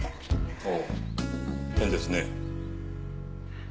ほう変ですね。